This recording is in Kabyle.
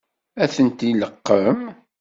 Ad ten-ileqqem?